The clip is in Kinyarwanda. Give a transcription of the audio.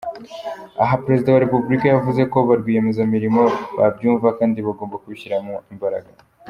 Aha Perezida wa Repubulika yavuze ko barwiyemezamirimo babyumva kandi bagomba kubishyiramo imbaraga.